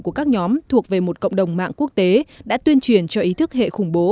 của các nhóm thuộc về một cộng đồng mạng quốc tế đã tuyên truyền cho ý thức hệ khủng bố